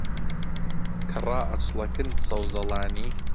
کە ڕائەچڵەکن سەوزەڵانی